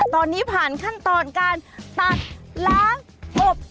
ตอนนี้ผ่านขั้นตอนการตัดล้างอบ